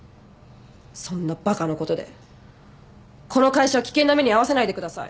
そんなバカのことでこの会社を危険な目に遭わせないでください！